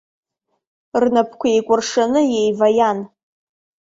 Рнапқәа еикәыршаны иеиваиан.